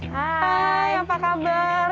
hai apa kabar